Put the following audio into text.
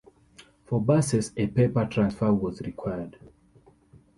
For buses, a paper transfer was required.